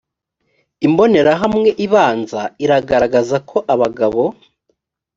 imbonerahamwe ibanza iragaragaza ko abagabo